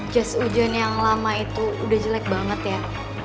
jas hujan yang lama itu udah jelek banget ya